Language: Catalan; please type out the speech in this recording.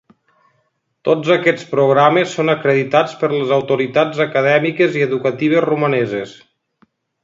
Tots aquests programes són acreditats per les autoritats acadèmiques i educatives romaneses.